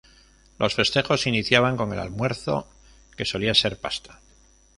Los festejos se iniciaban con el almuerzo, que solía ser pasta.